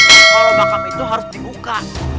kalau makam itu harus dibuka